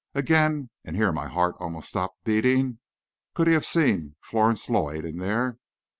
Again, and here my heart almost stopped beating, could he have seen Florence Lloyd in there?